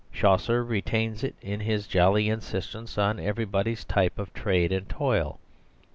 Chaucer retains it in his jolly insistence on everybody's type of trade and toil.